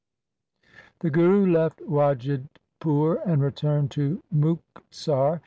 The Guru left Wajidpur and returned to Muktsar.